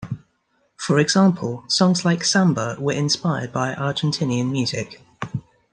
For example, songs like "Samba" were inspired by Argentinean music.